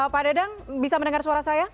pak dadang bisa mendengar suara saya